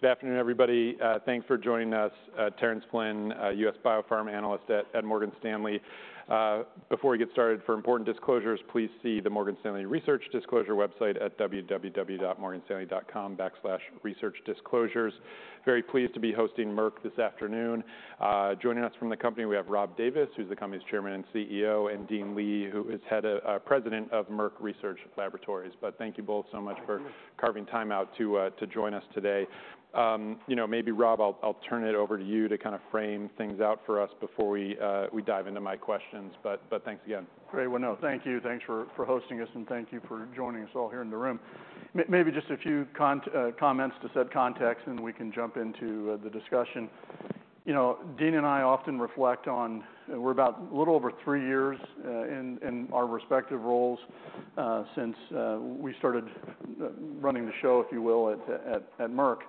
Good afternoon, everybody. Thanks for joining us. Terence Flynn, a U.S. BioPharma analyst at Morgan Stanley. Before we get started, for important disclosures, please see the Morgan Stanley Research Disclosure website at www.morganstanley.com/researchdisclosures. Very pleased to be hosting Merck this afternoon. Joining us from the company, we have Rob Davis, who's the company's chairman and CEO, and Dean Li, who is head of- president of Merck Research Laboratories. But thank you both so much for carving time out to join us today. You know, maybe, Rob, I'll turn it over to you to kind of frame things out for us before we dive into my questions. But thanks again. Great. Well, no, thank you. Thanks for hosting us, and thank you for joining us all here in the room. Maybe just a few comments to set context, and we can jump into the discussion. You know, Dean and I often reflect on... We're about a little over three years in our respective roles since we started running the show, if you will, at Merck.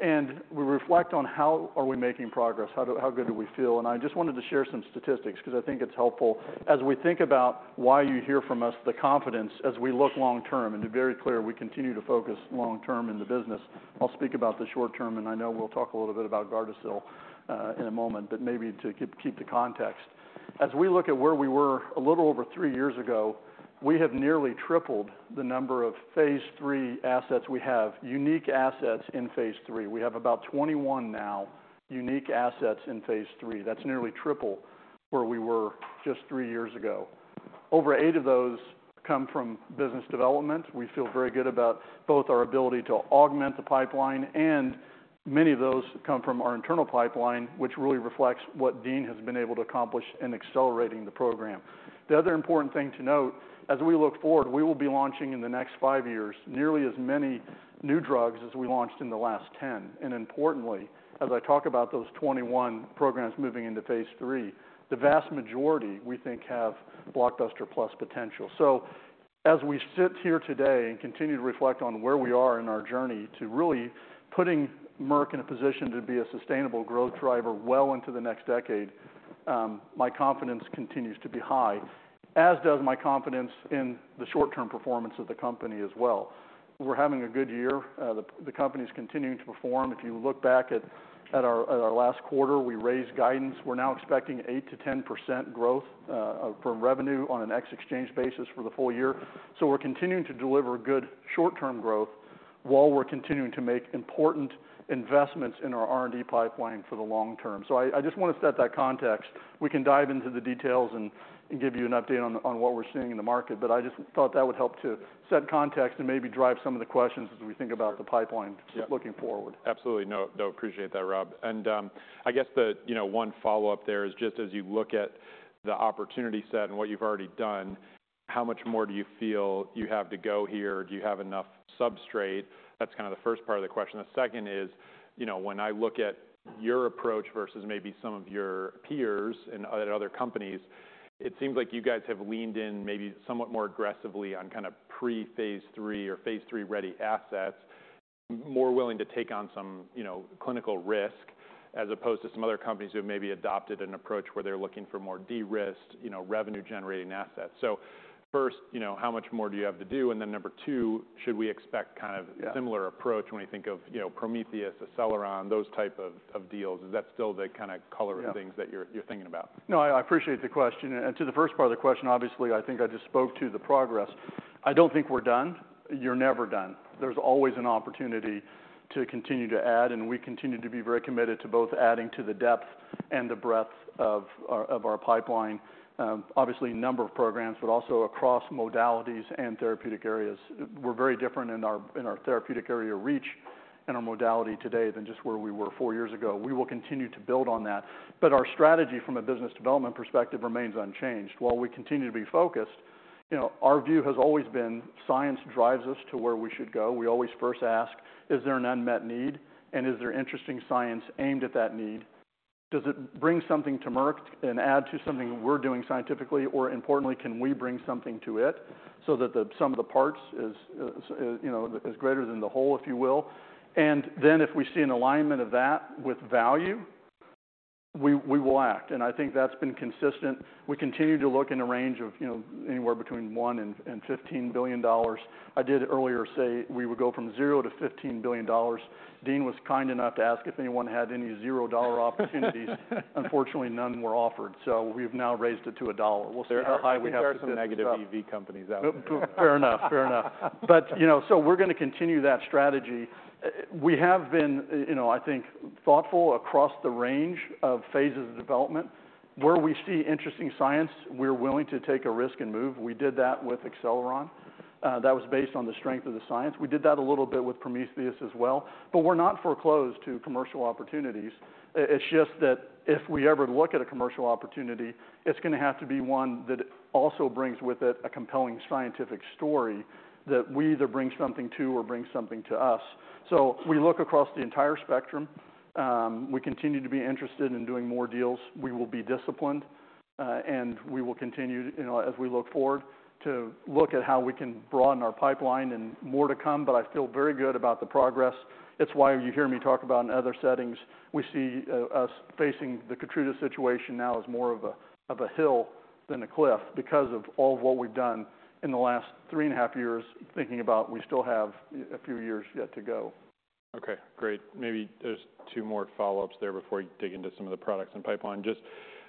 And we reflect on how are we making progress? How good do we feel? And I just wanted to share some statistics because I think it's helpful. As we think about why you hear from us, the confidence as we look long term, and to be very clear, we continue to focus long term in the business. I'll speak about the short term, and I know we'll talk a little bit about Gardasil in a moment, but maybe to keep the context. As we look at where we were a little over three years ago, we have nearly tripled the number of phase III assets. We have unique assets in phase III. We have about 21 now, unique assets in phase III. That's nearly triple where we were just three years ago. Over eight of those come from business development. We feel very good about both our ability to augment the pipeline, and many of those come from our internal pipeline, which really reflects what Dean has been able to accomplish in accelerating the program. The other important thing to note, as we look forward, we will be launching, in the next five years, nearly as many new drugs as we launched in the last 10. And importantly, as I talk about those twenty-one programs moving into phase III, the vast majority, we think, have blockbuster plus potential. So as we sit here today and continue to reflect on where we are in our journey to really putting Merck in a position to be a sustainable growth driver well into the next decade, my confidence continues to be high, as does my confidence in the short-term performance of the company as well. We're having a good year. The company is continuing to perform. If you look back at our last quarter, we raised guidance. We're now expecting 8%-10% growth from revenue on an ex-FX basis for the full year. So we're continuing to deliver good short-term growth while we're continuing to make important investments in our R&D pipeline for the long term. So I just want to set that context. We can dive into the details and give you an update on what we're seeing in the market, but I just thought that would help to set context and maybe drive some of the questions as we think about the pipeline. Yeah. Looking forward. Absolutely. No, no, appreciate that, Rob. And, I guess the, you know, one follow-up there is just as you look at the opportunity set and what you've already done, how much more do you feel you have to go here? Do you have enough substrate? That's kind of the first part of the question. The second is, you know, when I look at your approach versus maybe some of your peers in other companies, it seems like you guys have leaned in maybe somewhat more aggressively on kind of pre-phase III or phase III-ready assets, more willing to take on some, you know, clinical risk, as opposed to some other companies who have maybe adopted an approach where they're looking for more de-risked, you know, revenue-generating assets. So first, you know, how much more do you have to do? Then, number two, should we expect kind of- Yeah Similar approach when we think of, you know, Prometheus, Acceleron, those type of deals? Is that still the kind of color of things- Yeah - that you're thinking about? No, I appreciate the question. To the first part of the question, obviously, I think I just spoke to the progress. I don't think we're done. You're never done. There's always an opportunity to continue to add, and we continue to be very committed to both adding to the depth and the breadth of our pipeline. Obviously, a number of programs, but also across modalities and therapeutic areas. We're very different in our therapeutic area reach and our modality today than just where we were four years ago. We will continue to build on that, but our strategy from a business development perspective remains unchanged. While we continue to be focused, you know, our view has always been science drives us to where we should go. We always first ask, "Is there an unmet need, and is there interesting science aimed at that need? Does it bring something to Merck and add to something we're doing scientifically, or importantly, can we bring something to it so that the sum of the parts is, you know, greater than the whole," if you will. And then if we see an alignment of that with value, we will act, and I think that's been consistent. We continue to look in a range of, you know, anywhere between $1 billion and $15 billion. I did earlier say we would go from zero to $15 billion. Dean was kind enough to ask if anyone had any zero dollar opportunities. Unfortunately, none were offered, so we've now raised it to a dollar. We'll see how high we have to- There are some negative EV companies out there. Fair enough. Fair enough, but you know, so we're going to continue that strategy. We have been, you know, I think, thoughtful across the range of phases of development. Where we see interesting science, we're willing to take a risk and move. We did that with Acceleron. That was based on the strength of the science. We did that a little bit with Prometheus as well. We're not foreclosed to commercial opportunities. It's just that if we ever look at a commercial opportunity, it's going to have to be one that also brings with it a compelling scientific story that we either bring something to or brings something to us, so we look across the entire spectrum. We continue to be interested in doing more deals. We will be disciplined, and we will continue, you know, as we look forward, to look at how we can broaden our pipeline and more to come, but I feel very good about the progress. That's why you hear me talk about in other settings, we see, us facing the KEYTRUDA situation now as more of a, of a hill than a cliff because of all of what we've done in the last 3.5 years, thinking about we still have a, a few years yet to go. Okay, great. Maybe there's two more follow-ups there before you dig into some of the products and pipeline. Just,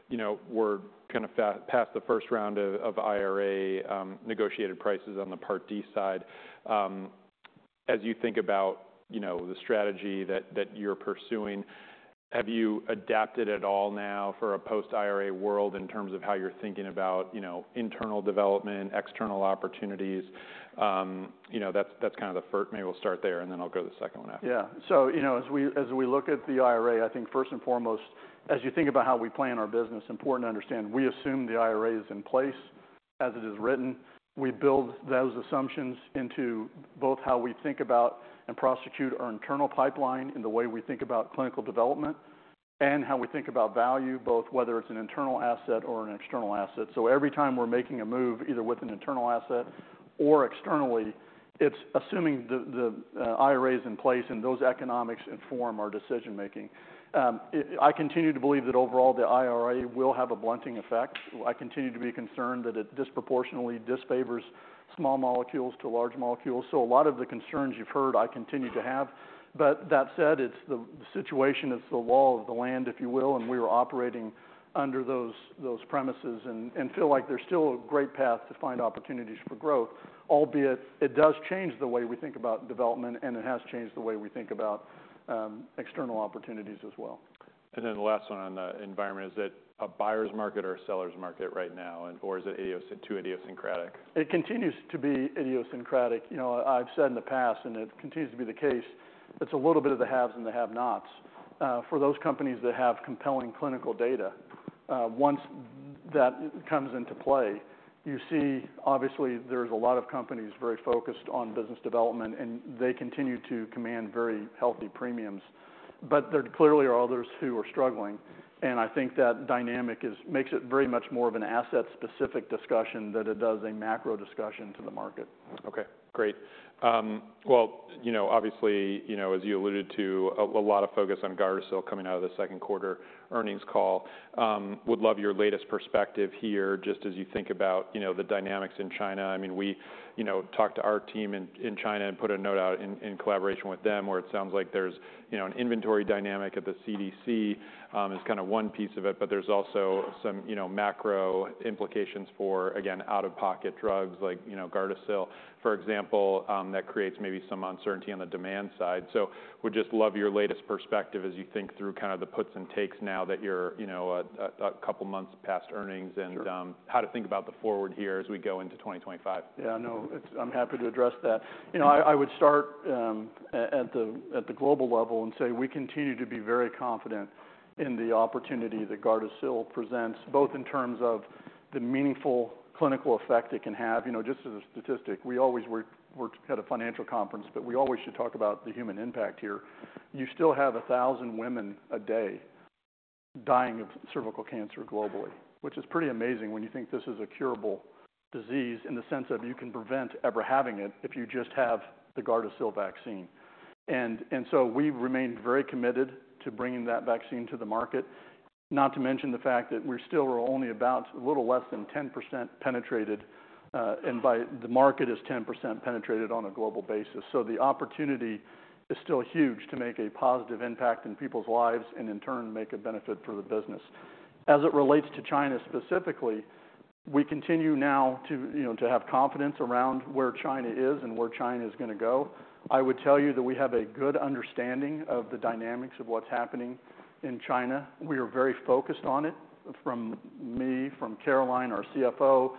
you know, we're kind of far past the first round of IRA negotiated prices on the Part D side. As you think about, you know, the strategy that you're pursuing, have you adapted at all now for a post-IRA world in terms of how you're thinking about, you know, internal development, external opportunities? You know, that's kind of the first. Maybe we'll start there, and then I'll go to the second one after. Yeah. So, you know, as we look at the IRA, I think first and foremost, as you think about how we plan our business, it's important to understand, we assume the IRA is in place as it is written. We build those assumptions into both how we think about and prosecute our internal pipeline in the way we think about value, both whether it's an internal asset or an external asset. So every time we're making a move, either with an internal asset or externally, it's assuming the IRA is in place, and those economics inform our decision-making. I continue to believe that overall, the IRA will have a blunting effect. I continue to be concerned that it disproportionately disfavors small molecules to large molecules. So a lot of the concerns you've heard, I continue to have. But that said, it's the situation, it's the law of the land, if you will, and we are operating under those premises and feel like there's still a great path to find opportunities for growth, albeit it does change the way we think about development, and it has changed the way we think about external opportunities as well. Then the last one on the environment, is it a buyer's market or a seller's market right now, and or is it too idiosyncratic? It continues to be idiosyncratic. You know, I've said in the past, and it continues to be the case, it's a little bit of the haves and the have-nots. For those companies that have compelling clinical data, once that comes into play, you see, obviously, there's a lot of companies very focused on business development, and they continue to command very healthy premiums. But there clearly are others who are struggling, and I think that dynamic is, makes it very much more of an asset-specific discussion than it does a macro discussion to the market. Okay, great, well, you know, obviously, you know, as you alluded to, a lot of focus on Gardasil coming out of the second quarter earnings call. Would love your latest perspective here, just as you think about, you know, the dynamics in China. I mean, we, you know, talked to our team in China and put a note out in collaboration with them, where it sounds like there's, you know, an inventory dynamic at the CDC, as kind of one piece of it, but there's also some, you know, macro implications for, again, out-of-pocket drugs like, you know, Gardasil. For example, that creates maybe some uncertainty on the demand side. Would just love your latest perspective as you think through kind of the puts and takes now that you're, you know, a couple months past earnings. Sure How to think about the forward here as we go into 2025. Yeah, no, it's. I'm happy to address that. You know, I would start at the global level and say we continue to be very confident in the opportunity that Gardasil presents, both in terms of the meaningful clinical effect it can have. You know, just as a statistic, we're at a financial conference, but we always should talk about the human impact here. You still have a thousand women a day dying of cervical cancer globally, which is pretty amazing when you think this is a curable disease, in the sense of you can prevent ever having it if you just have the Gardasil vaccine. And so we've remained very committed to bringing that vaccine to the market. Not to mention the fact that we're still only about a little less than 10% penetrated, and the market is 10% penetrated on a global basis. So the opportunity is still huge to make a positive impact in people's lives and, in turn, make a benefit for the business. As it relates to China specifically, we continue now to, you know, to have confidence around where China is and where China is gonna go. I would tell you that we have a good understanding of the dynamics of what's happening in China. We are very focused on it, from me, from Caroline, our CFO,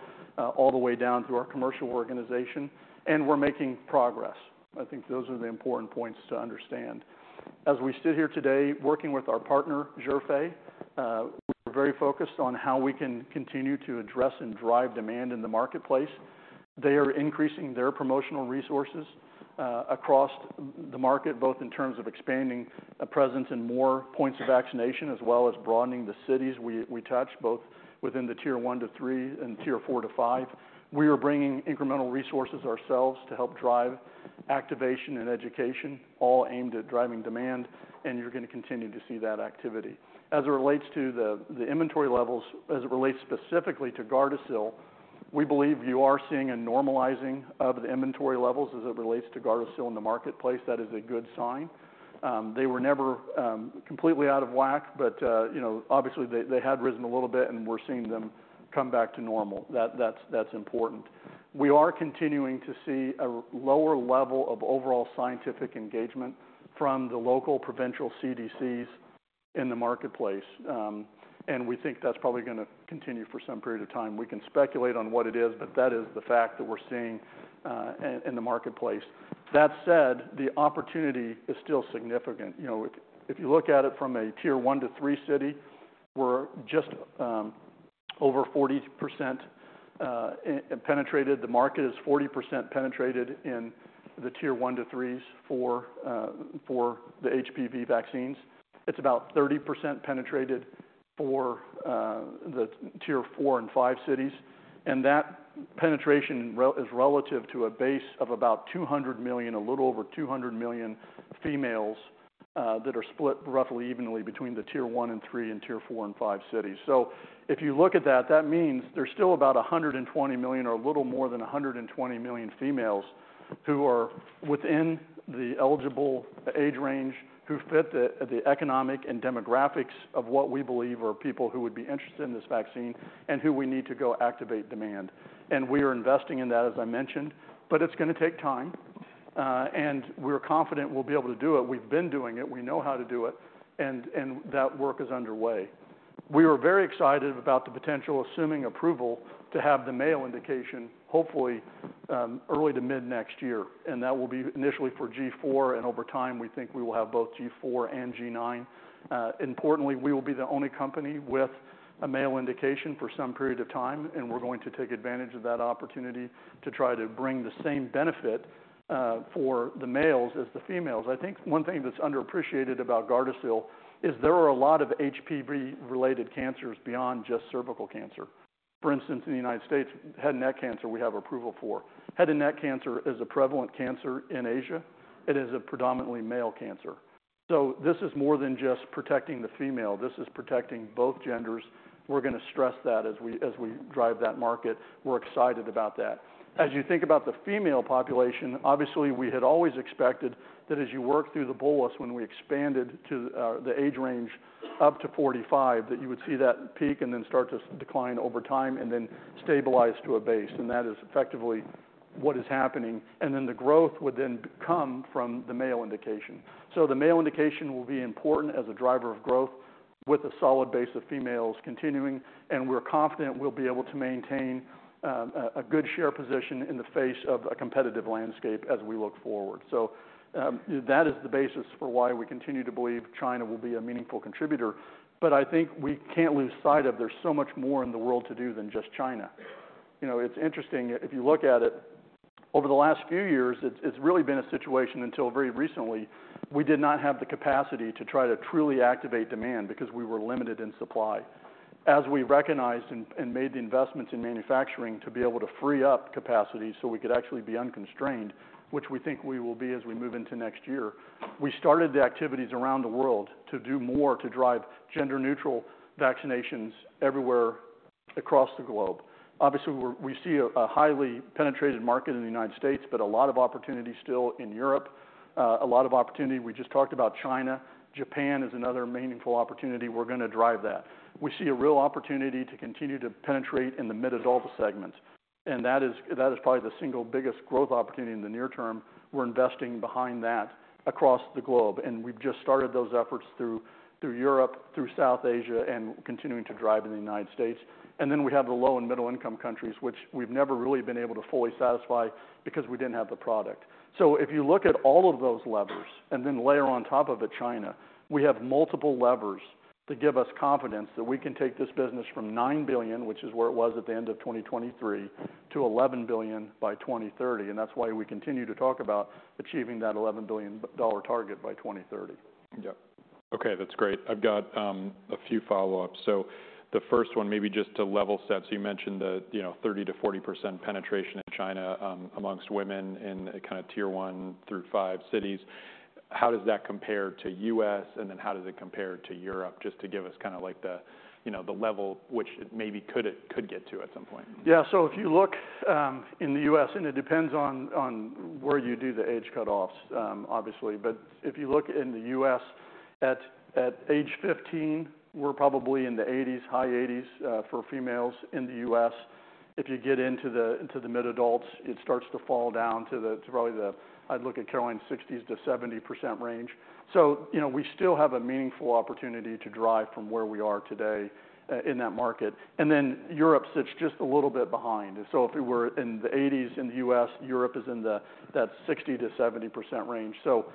all the way down through our commercial organization, and we're making progress. I think those are the important points to understand. As we sit here today, working with our partner, Zhifei, we're very focused on how we can continue to address and drive demand in the marketplace. They are increasing their promotional resources, across the market, both in terms of expanding a presence in more points of vaccination, as well as broadening the cities we touch, both within the tier one to three and tier four to five. We are bringing incremental resources ourselves to help drive activation and education, all aimed at driving demand, and you're gonna continue to see that activity. As it relates to the inventory levels, as it relates specifically to Gardasil, we believe you are seeing a normalizing of the inventory levels as it relates to Gardasil in the marketplace. That is a good sign. They were never completely out of whack, but you know, obviously, they had risen a little bit, and we're seeing them come back to normal. That's important. We are continuing to see a lower level of overall scientific engagement from the local provincial CDCs in the marketplace, and we think that's probably gonna continue for some period of time. We can speculate on what it is, but that is the fact that we're seeing in the marketplace. That said, the opportunity is still significant. You know, if you look at it from a tier one to three city, we're just over 40% penetrated. The market is 40% penetrated in the tier one to threes for the HPV vaccines. It's about 30% penetrated for the tier four and five cities, and that penetration is relative to a base of about 200 million, a little over 200 million females that are split roughly evenly between the tier one and three and tier four and five cities. So if you look at that, that means there's still about 120 million or a little more than 120 million females who are within the eligible age range, who fit the economic and demographics of what we believe are people who would be interested in this vaccine and who we need to go activate demand. And we are investing in that, as I mentioned, but it's gonna take time, and we're confident we'll be able to do it. We've been doing it, we know how to do it, and that work is underway. We were very excited about the potential, assuming approval, to have the male indication, hopefully, early to mid-next year, and that will be initially for G4, and over time, we think we will have both G4 and G9. Importantly, we will be the only company with a male indication for some period of time, and we're going to take advantage of that opportunity to try to bring the same benefit for the males as the females. I think one thing that's underappreciated about Gardasil is there are a lot of HPV-related cancers beyond just cervical cancer. For instance, in the United States, head and neck cancer, we have approval for. Head and neck cancer is a prevalent cancer in Asia. It is a predominantly male cancer. This is more than just protecting the female; this is protecting both genders. We're gonna stress that as we drive that market. We're excited about that. As you think about the female population, obviously, we had always expected that as you work through the bolus, when we expanded to the age range up to 45, that you would see that peak and then start to decline over time and then stabilize to a base, and that is effectively what is happening. And then the growth would then come from the male indication. The male indication will be important as a driver of growth with a solid base of females continuing, and we're confident we'll be able to maintain a good share position in the face of a competitive landscape as we look forward. So, that is the basis for why we continue to believe China will be a meaningful contributor. But I think we can't lose sight of, there's so much more in the world to do than just China. You know, it's interesting, if you look at it, over the last few years, it's really been a situation until very recently, we did not have the capacity to try to truly activate demand because we were limited in supply. As we recognized and made the investments in manufacturing to be able to free up capacity so we could actually be unconstrained, which we think we will be as we move into next year, we started the activities around the world to do more to drive gender-neutral vaccinations everywhere across the globe. Obviously, we see a highly penetrated market in the United States, but a lot of opportunity still in Europe, a lot of opportunity. We just talked about China. Japan is another meaningful opportunity. We're gonna drive that. We see a real opportunity to continue to penetrate in the mid-adult segment, and that is probably the single biggest growth opportunity in the near term. We're investing behind that across the globe, and we've just started those efforts through Europe, through South Asia, and continuing to drive in the United States. And then we have the low and middle-income countries, which we've never really been able to fully satisfy because we didn't have the product. So if you look at all of those levers and then layer on top of it, China, we have multiple levers to give us confidence that we can take this business from $9 billion, which is where it was at the end of 2023, to $11 billion by 2030. And that's why we continue to talk about achieving that $11 billion dollar target by 2030. Yep. Okay, that's great. I've got a few follow-ups. So the first one, maybe just to level set. So you mentioned that, you know, 30%-40% penetration in China amongst women in kind of tier one through five cities. How does that compare to US, and then how does it compare to Europe? Just to give us kind of like the, you know, the level which it maybe could get to at some point. Yeah. So if you look in the U.S., and it depends on where you do the age cutoffs, obviously, but if you look in the U.S., at age 15, we're probably in the 80s, high 80s, for females in the U.S. If you get into the mid adults, it starts to fall down to really the... I'd look at kind of 60%-70% range. So, you know, we still have a meaningful opportunity to drive from where we are today in that market. And then Europe sits just a little bit behind. So if we were in the 80s in the U.S., Europe is in that 60%-70% range. So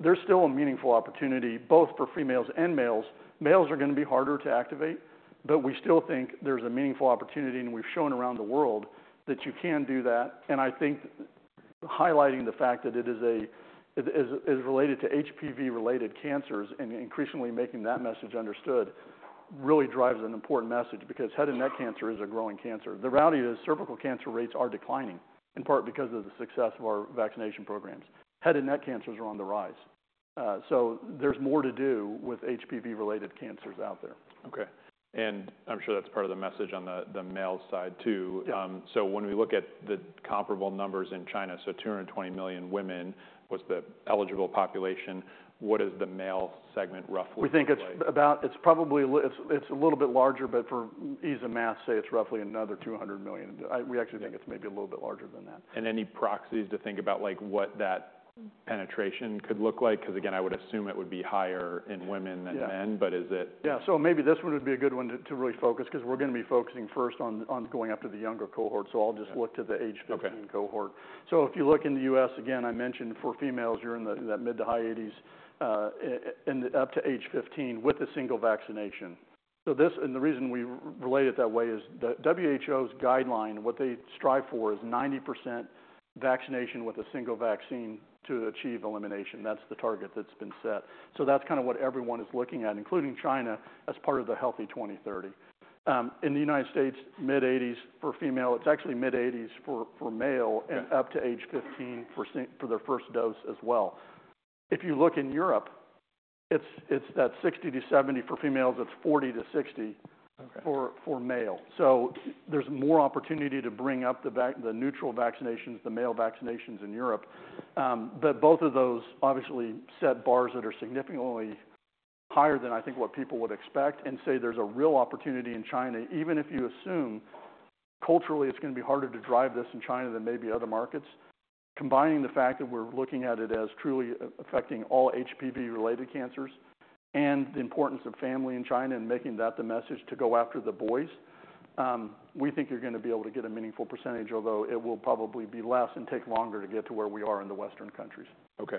there's still a meaningful opportunity, both for females and males. Males are gonna be harder to activate, but we still think there's a meaningful opportunity, and we've shown around the world that you can do that. And I think highlighting the fact that it is related to HPV-related cancers, and increasingly making that message understood, really drives an important message because head and neck cancer is a growing cancer. The reality is cervical cancer rates are declining, in part because of the success of our vaccination programs. Head and neck cancers are on the rise, so there's more to do with HPV-related cancers out there. Okay. And I'm sure that's part of the message on the male side, too. Yeah. So when we look at the comparable numbers in China, so 220 million women was the eligible population, what is the male segment, roughly look like? We think it's about. It's probably a little bit larger, but for ease of math, say, it's roughly another 200 million. We actually think it's maybe a little bit larger than that. Any proxies to think about, like, what that penetration could look like? Because, again, I would assume it would be higher in women than men- Yeah. -but is it? Yeah. So maybe this one would be a good one to really focus, 'cause we're gonna be focusing first on going after the younger cohort. Yeah. I'll just look to the age 15 cohort. Okay. If you look in the US, again, I mentioned for females, you're in that mid to high 80s, and up to age 15 with a single vaccination. This. The reason we relate it that way is the WHO's guideline, what they strive for, is 90% vaccination with a single vaccine to achieve elimination. That's the target that's been set. That's kind of what everyone is looking at, including China, as part of the Healthy China 2030. In the United States, mid-80s for female. It's actually mid-80s for male. Yeah Up to age 15 for their first dose as well. If you look in Europe... It's that 60-70 for females, it's 40-60- Okay. For male. So there's more opportunity to bring up the vaccinations, the neutral vaccinations, the male vaccinations in Europe. But both of those, obviously, set bars that are significantly higher than I think what people would expect, and say there's a real opportunity in China, even if you assume culturally, it's going to be harder to drive this in China than maybe other markets. Combining the fact that we're looking at it as truly affecting all HPV-related cancers and the importance of family in China and making that the message to go after the boys, we think you're going to be able to get a meaningful percentage, although it will probably be less and take longer to get to where we are in the Western countries. Okay.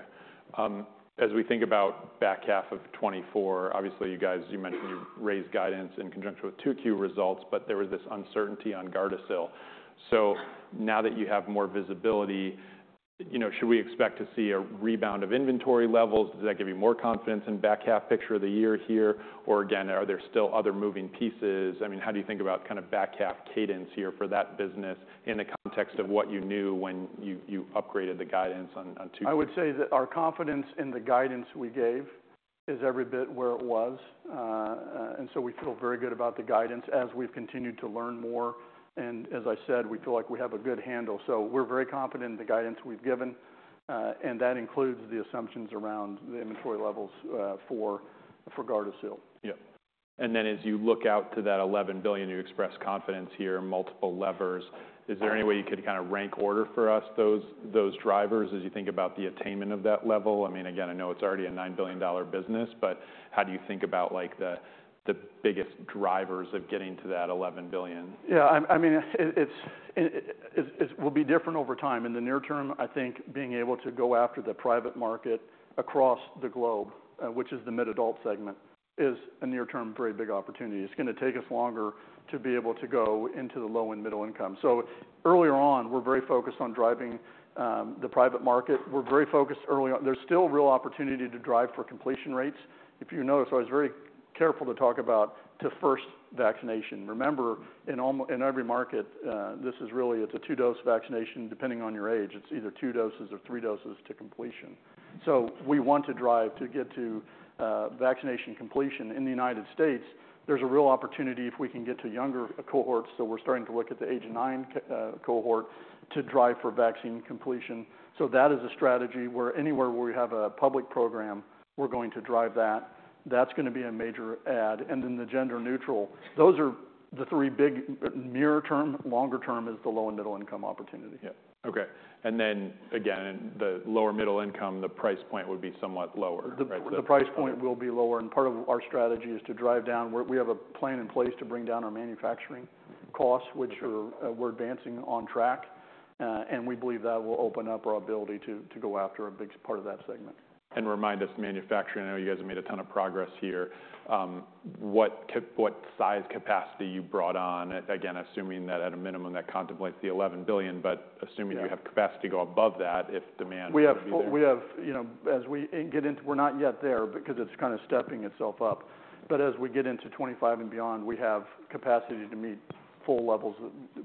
As we think about back half of 2024, obviously, you guys, you mentioned you've raised guidance in conjunction with 2Q results, but there was this uncertainty on Gardasil. So now that you have more visibility, you know, should we expect to see a rebound of inventory levels? Does that give you more confidence in back half picture of the year here? Or again, are there still other moving pieces? I mean, how do you think about kind of back half CADENCE here for that business in the context of what you knew when you, you upgraded the guidance on, on 2Q. I would say that our confidence in the guidance we gave is every bit where it was. And so we feel very good about the guidance as we've continued to learn more, and as I said, we feel like we have a good handle. So we're very confident in the guidance we've given, and that includes the assumptions around the inventory levels for Gardasil. Yeah. And then as you look out to that $11 billion, you express confidence here, multiple levers. Is there any way you could kind of rank order for us, those, those drivers, as you think about the attainment of that level? I mean, again, I know it's already a $9 billion business, but how do you think about, like, the, the biggest drivers of getting to that $11 billion? Yeah, I mean, it will be different over time. In the near term, I think being able to go after the private market across the globe, which is the mid-adult segment, is a near-term, very big opportunity. It's going to take us longer to be able to go into the low and middle income. So earlier on, we're very focused on driving the private market. We're very focused early on. There's still real opportunity to drive for completion rates. If you notice, I was very careful to talk about the first vaccination. Remember, in every market, this is really a two-dose vaccination, depending on your age. It's either two doses or three doses to completion. So we want to drive to get to vaccination completion. In the United States, there's a real opportunity if we can get to younger cohorts, so we're starting to look at the age of nine cohort to drive for vaccine completion. So that is a strategy where anywhere where we have a public program, we're going to drive that. That's going to be a major add. And then the gender-neutral. Those are the three big near term. Longer term is the low and middle-income opportunity. Yeah. Okay. And then again, the lower middle income, the price point would be somewhat lower, right? The price point will be lower, and part of our strategy is to drive down. We have a plan in place to bring down our manufacturing costs, which We're advancing on track, and we believe that will open up our ability to go after a big part of that segment. Remind us, manufacturing. I know you guys have made a ton of progress here. What size capacity you brought on? Again, assuming that at a minimum, that contemplates the 11 billion, but- Yeah -assuming you have capacity to go above that, if demand. We have, you know, as we get into, we're not yet there because it's kind of stepping itself up. But as we get into 2025 and beyond, we have capacity to meet full levels. We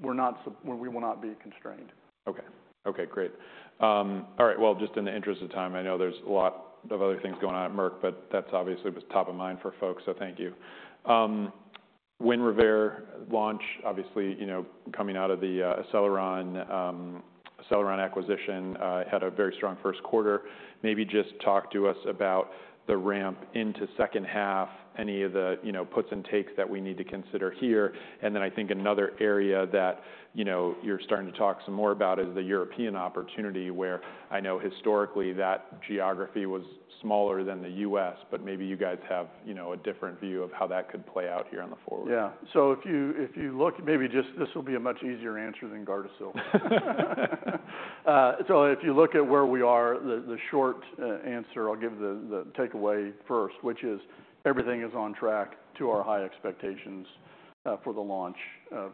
will not be constrained. Okay. Okay, great. All right, well, just in the interest of time, I know there's a lot of other things going on at Merck, but that's obviously the top of mind for folks, so thank you. Winrevair launch, obviously, you know, coming out of the Acceleron acquisition, had a very strong first quarter. Maybe just talk to us about the ramp into second half, any of the, you know, puts and takes that we need to consider here. And then I think another area that, you know, you're starting to talk some more about is the European opportunity, where I know historically, that geography was smaller than the U.S., but maybe you guys have, you know, a different view of how that could play out here on the forward. Yeah. So if you look, maybe just this will be a much easier answer than Gardasil. If you look at where we are, the short answer, I'll give the takeaway first, which is everything is on track to our high expectations for the launch of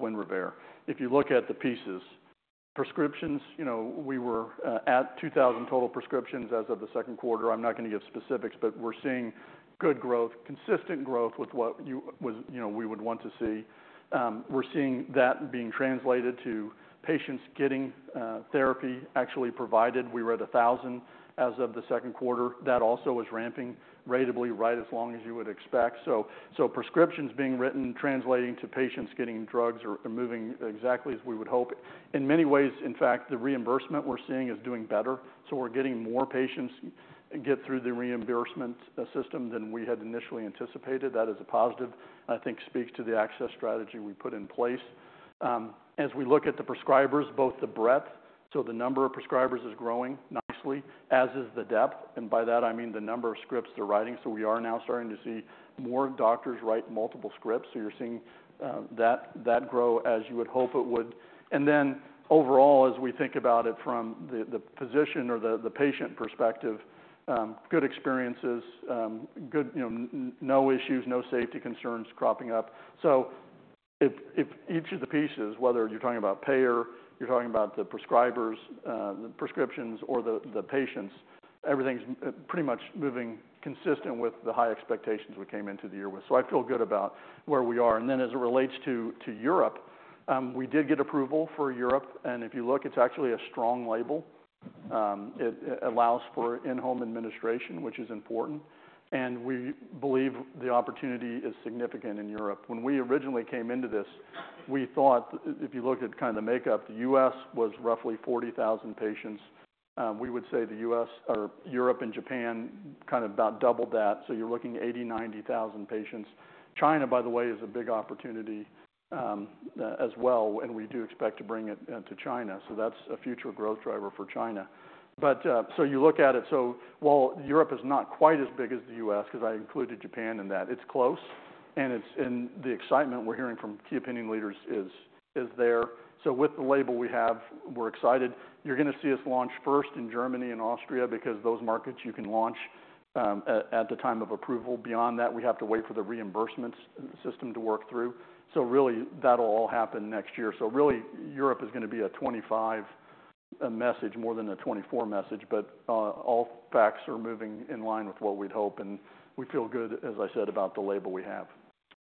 Winrevair. If you look at the pieces, prescriptions, you know, we were at 2,000 total prescriptions as of the second quarter. I'm not going to give specifics, but we're seeing good growth, consistent growth with what you would want to see, you know. We're seeing that being translated to patients getting therapy actually provided. We were at 1,000 as of the second quarter. That also is ramping ratably, right, as long as you would expect. Prescriptions being written, translating to patients getting drugs are moving exactly as we would hope. In many ways, in fact, the reimbursement we're seeing is doing better, so we're getting more patients get through the reimbursement system than we had initially anticipated. That is a positive, and I think speaks to the access strategy we put in place. As we look at the prescribers, both the breadth, so the number of prescribers is growing nicely, as is the depth, and by that I mean the number of scripts they're writing. So we are now starting to see more doctors write multiple scripts, so you're seeing that grow as you would hope it would. Then overall, as we think about it from the physician or the patient perspective, good experiences, good, you know, no issues, no safety concerns cropping up. So if each of the pieces, whether you're talking about payer, you're talking about the prescribers, the prescriptions, or the patients, everything's pretty much moving consistent with the high expectations we came into the year with. So I feel good about where we are. And then as it relates to Europe, we did get approval for Europe, and if you look, it's actually a strong label. It allows for in-home administration, which is important, and we believe the opportunity is significant in Europe. When we originally came into this, we thought if you look at kind of the makeup, the U.S. was roughly 40,000 patients. We would say the US or Europe and Japan, kind of about double that, so you're looking at 80,000-90,000 patients. China, by the way, is a big opportunity, as well, and we do expect to bring it to China, so that's a future growth driver for China, but you look at it, so while Europe is not quite as big as the U.S., 'cause I included Japan in that, it's close, and it's, and the excitement we're hearing from key opinion leaders is there, with the label we have, we're excited. You're gonna see us launch first in Germany and Austria because those markets you can launch at the time of approval. Beyond that, we have to wait for the reimbursement system to work through, really, that'll all happen next year. Really, Europe is gonna be a 2025 message more than a 2024 message, but all factors are moving in line with what we'd hope, and we feel good, as I said, about the label we have.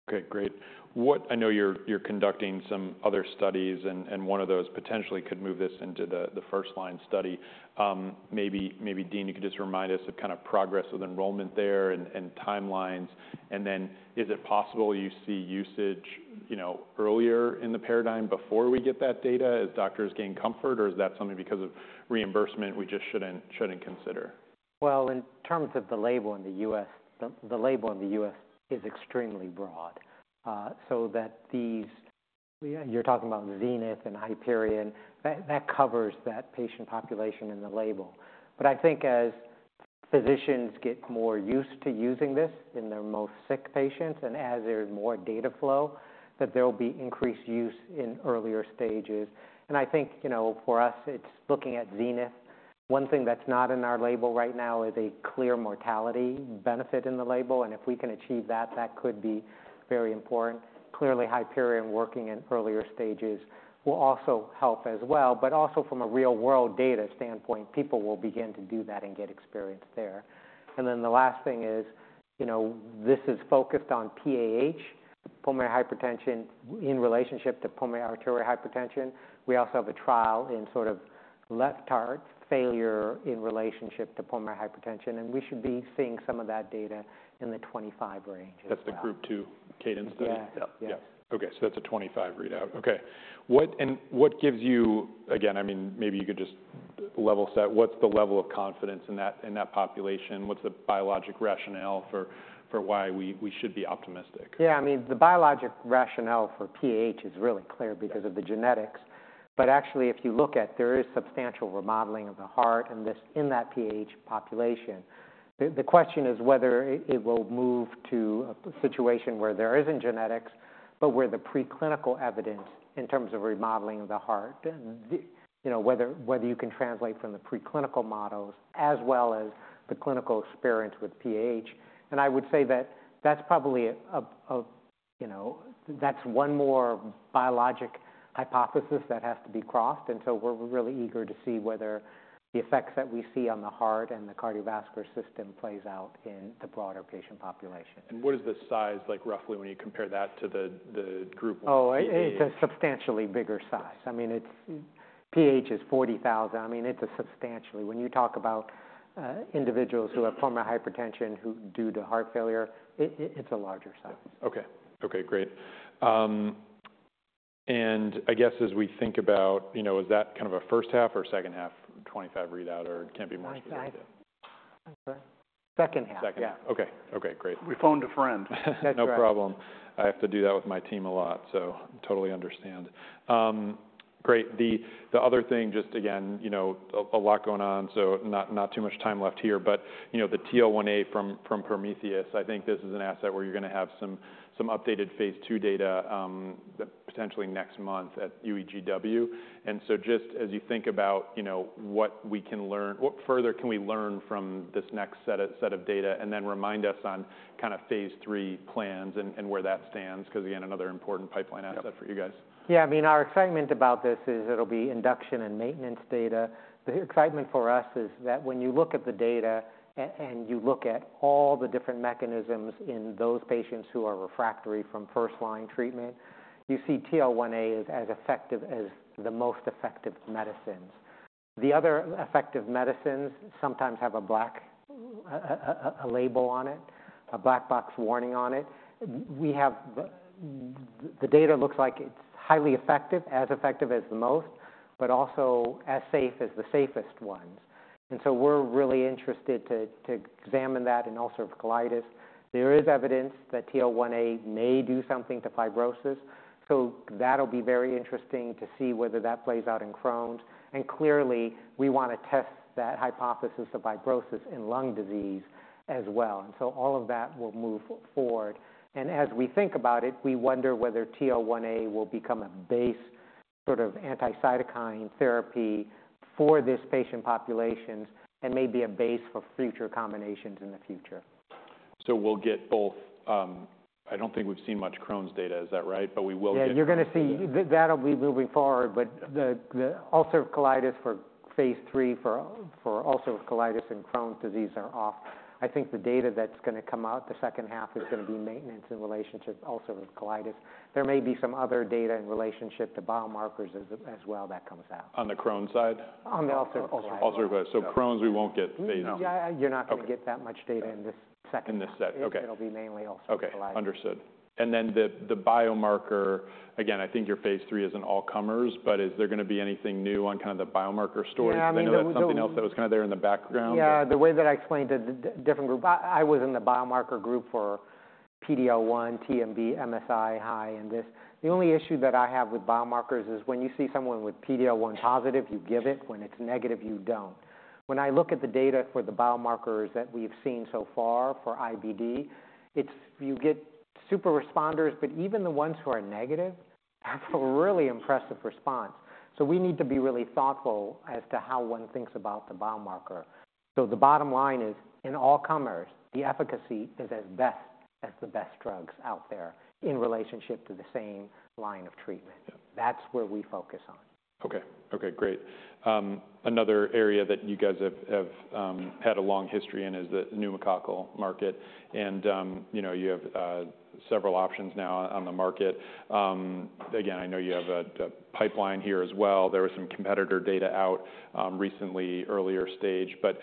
Okay, great. What... I know you're conducting some other studies, and one of those potentially could move this into the first line study. Maybe, Dean, you could just remind us of kind of progress with enrollment there and timelines. And then is it possible you see usage, you know, earlier in the paradigm before we get that data as doctors gain comfort? Or is that something because of reimbursement we just shouldn't consider? In terms of the label in the U.S., the label in the U.S. is extremely broad. So, yeah, you're talking about ZENITH and HYPERION. That covers that patient population in the label. But I think as physicians get more used to using this in their most sick patients, and as there's more data flow, that there will be increased use in earlier stages. And I think, you know, for us, it's looking at ZENITH. One thing that's not in our label right now is a clear mortality benefit in the label, and if we can achieve that, that could be very important. Clearly, HYPERION working in earlier stages will also help as well. But also from a real-world data standpoint, people will begin to do that and get experience there. And then the last thing is, you know, this is focused on PAH, pulmonary hypertension, in relationship to pulmonary arterial hypertension. We also have a trial in sort of left heart failure in relationship to pulmonary hypertension, and we should be seeing some of that data in the 2025 range as well. That's the group two CADENCE study? Yeah. Yeah. Yes. Okay, so that's a 25 readout. Okay. And what gives you... Again, I mean, maybe you could just level set. What's the level of confidence in that population? What's the biologic rationale for why we should be optimistic? Yeah, I mean, the biologic rationale for PAH is really clear because of the genetics. But actually, if you look at, there is substantial remodeling of the heart in this, in that PAH population. The question is whether it will move to a situation where there isn't genetics, but where the preclinical evidence in terms of remodeling of the heart, and the... You know, whether you can translate from the preclinical models as well as the clinical experience with PAH. And I would say that that's probably, you know, that's one more biologic hypothesis that has to be crossed. And so we're really eager to see whether the effects that we see on the heart and the cardiovascular system plays out in the broader patient population. What is the size, like, roughly when you compare that to the group PAH? Oh, it's a substantially bigger size. I mean, it's PAH is 40,000. I mean, it's a substantially bigger size. When you talk about individuals who have pulmonary hypertension, who due to heart failure, it's a larger size. Okay. Okay, great, and I guess, as we think about, you know, is that kind of a first half or second half 2025 readout, or it can't be more? My side. I'm sorry. Second half. Second half. Yeah. Okay. Okay, great. We phoned a friend. That's right. No problem. I have to do that with my team a lot, so totally understand. Great. The other thing, just again, you know, a lot going on, so not too much time left here, but, you know, the TL1A from Prometheus, I think this is an asset where you're gonna have some updated phase II data, potentially next month at UEGW. And so just as you think about, you know, what we can learn, what further can we learn from this next set of data? And then remind us on kind of phase III plans and where that stands, 'cause, again, another important pipeline asset- Yep -for you guys. Yeah, I mean, our excitement about this is it'll be induction and maintenance data. The excitement for us is that when you look at the data and you look at all the different mechanisms in those patients who are refractory from first-line treatment, you see TL1A is as effective as the most effective medicines. The other effective medicines sometimes a label on it, a black box warning on it. We have. The data looks like it's highly effective, as effective as most, but also as safe as the safest ones. And so we're really interested to examine that in ulcerative colitis. There is evidence that TL1A may do something to fibrosis, so that'll be very interesting to see whether that plays out in Crohn's. And clearly, we wanna test that hypothesis of fibrosis in lung disease as well. So all of that will move forward. And as we think about it, we wonder whether TL1A will become a base sort of anti-cytokine therapy for this patient populations and maybe a base for future combinations in the future. So we'll get both, I don't think we've seen much Crohn's data. Is that right? But we will get. Yeah, you're gonna see, that'll be moving forward, but the ulcerative colitis for phase III for ulcerative colitis and Crohn's disease are off. I think the data that's gonna come out the second half is gonna be maintenance in relationship to ulcerative colitis. There may be some other data in relationship to biomarkers as well that comes out. On the Crohn's side? On the ulcerative colitis. Ulcerative. So Crohn's, we won't get phase, no? You're not- Okay... gonna get that much data in this second half. In this set. Okay. It'll be mainly ulcerative colitis. Okay, understood. And then the biomarker. Again, I think your phase III is an all comers, but is there gonna be anything new on kind of the biomarker story? Yeah, I mean. I know that's something else that was kind of there in the background. Yeah, the way that I explained it, the different group—I was in the biomarker group for PD-L1, TMB, MSI-H, and this. The only issue that I have with biomarkers is when you see someone with PD-L1 positive, you give it, when it's negative, you don't. When I look at the data for the biomarkers that we've seen so far for IBD, it's, you get super responders, but even the ones who are negative have a really impressive response. So we need to be really thoughtful as to how one thinks about the biomarker. So the bottom line is, in all comers, the efficacy is as best as the best drugs out there in relationship to the same line of treatment. Yeah. That's where we focus on. Okay. Okay, great. Another area that you guys have had a long history in is the pneumococcal market, and you know, you have several options now on the market. Again, I know you have the pipeline here as well. There was some competitor data out recently, earlier stage. But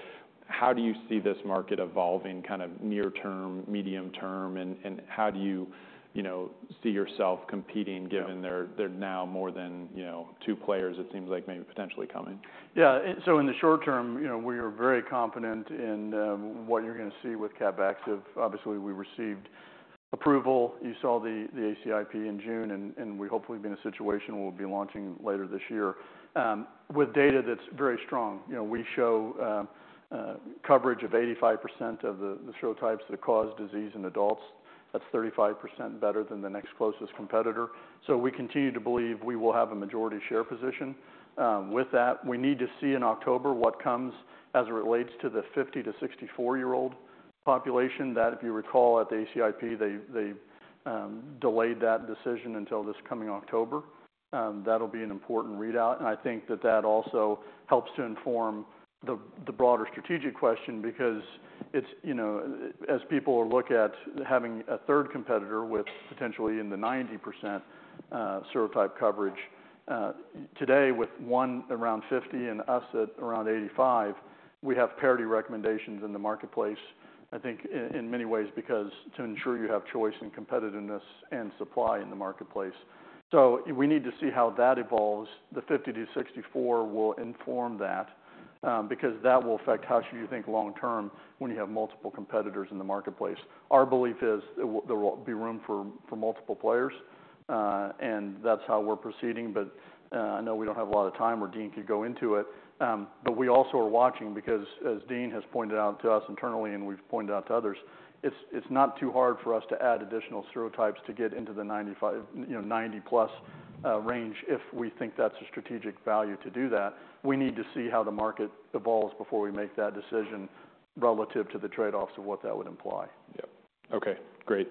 how do you see this market evolving, kind of near term, medium term, and how do you see yourself competing? Yeah. Given there, there are now more than, you know, two players, it seems like, maybe potentially coming? Yeah. And so in the short term, you know, we are very confident in what you're gonna see with Capvaxive. Obviously, we received approval. You saw the ACIP in June, and we hopefully be in a situation where we'll be launching later this year. With data that's very strong, you know, we show coverage of 85% of the serotypes that cause disease in adults. That's 35% better than the next closest competitor. So we continue to believe we will have a majority share position. With that, we need to see in October what comes as it relates to the 50-64 year old population. That, if you recall, at the ACIP, they delayed that decision until this coming October. That'll be an important readout, and I think that that also helps to inform the broader strategic question because it's... You know, as people look at having a third competitor with potentially 90% serotype coverage today, with one around 50% and us at around 85%, we have parity recommendations in the marketplace, I think, in many ways, because to ensure you have choice and competitiveness and supply in the marketplace. So we need to see how that evolves. The 50-64 will inform that, because that will affect how should you think long term when you have multiple competitors in the marketplace. Our belief is there will be room for multiple players, and that's how we're proceeding. But, I know we don't have a lot of time, or Dean could go into it, but we also are watching because as Dean has pointed out to us internally and we've pointed out to others, it's not too hard for us to add additional serotypes to get into the 95, you know, 90-plus, range if we think that's a strategic value to do that. We need to see how the market evolves before we make that decision relative to the trade-offs of what that would imply. Yep. Okay, great.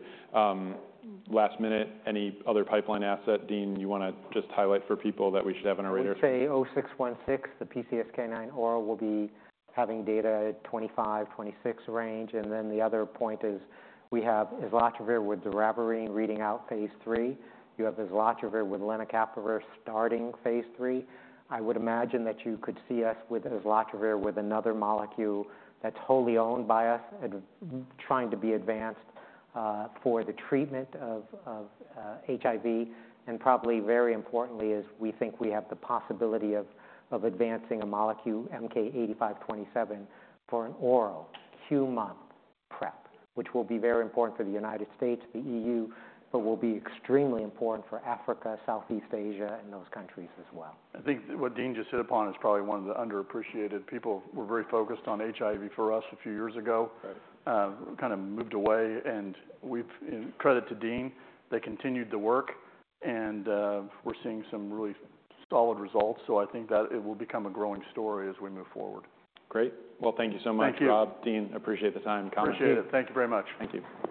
Last minute, any other pipeline asset, Dean, you wanna just highlight for people that we should have on our radar? I would say MK-0616, the PCSK9 oral, will be having data at 25-26 range. And then the other point is we have islatravir with doravirine reading out phase III. You have islatravir with lenacapavir starting phase III. I would imagine that you could see us with islatravir with another molecule that's wholly owned by us, and trying to be advanced for the treatment of HIV. And probably very importantly, is we think we have the possibility of advancing a molecule, MK-8527, for an oral PrEP, which will be very important for the United States, the EU, but will be extremely important for Africa, Southeast Asia, and those countries as well. I think what Dean just hit upon is probably one of the underappreciated. People were very focused on HIV for us a few years ago. Right. Kind of moved away, and credit to Dean, they continued to work, and we're seeing some really solid results. So I think that it will become a growing story as we move forward. Great. Well, thank you so much- Thank you... Rob, Dean, appreciate the time and comment. Appreciate it. Thank you very much. Thank you.